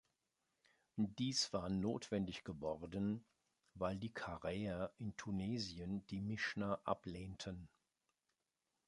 Dies war notwendig geworden, weil die Karäer in Tunesien die Mischna ablehnten.